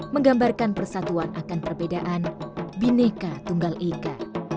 menggambarkan persatuan akan perbedaan bineka tunggal ika